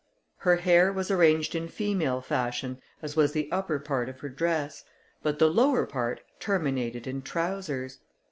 Her hair was arranged in female fashion, as was the upper part of her dress, but the lower part terminated in trousers.